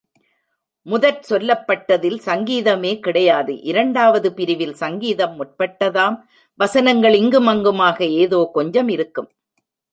முதற் சொல்லப்பட்டதில் சங்கீதமே கிடையாது இரண்டாவது பிரிவில் சங்கீதம் முற்பட்டதாம் வசனங்கள் இங்கும் அங்குமாக, ஏதோ கொஞ்சம் இருக்கும்.